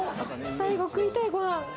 最後食いたい、ご飯。